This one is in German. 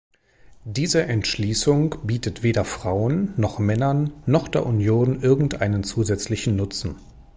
Diese Entschließung bietet weder Frauen, noch Männern, noch der Union irgendeinen zusätzlichen Nutzen.